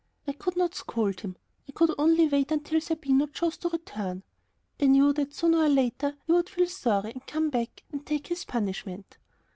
I could not scold him. I could only wait until Zerbino chose to return. I knew that sooner or later he would feel sorry and would come back and take his punishment.